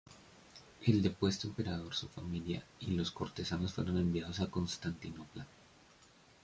El depuesto emperador, su familia, y los cortesanos fueron enviados a Constantinopla.